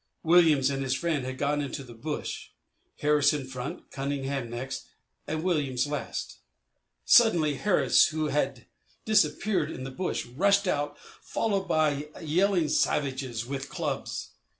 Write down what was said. Williams and his friends had gone into the bush, Harris in front, Cunningham next, and Williams last. Suddenly Harris, who had disappeared in the bush, rushed out followed by yelling savages with clubs.